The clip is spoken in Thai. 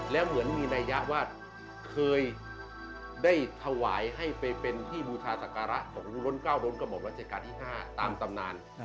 แล้วเหมือนมีนัยยะว่าเคยได้ถวายให้ไปเป็นที่บูชาศักระของล้นเก้าล้นกระบอกรัชกาลที่๕ตามตำนาน